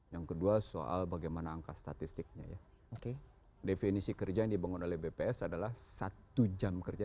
yang kedua soal bagaimana angka statistiknya ya definisi kerja yang dibangun oleh bps adalah satu jam kerja